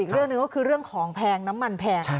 เรื่องหนึ่งก็คือเรื่องของแพงน้ำมันแพง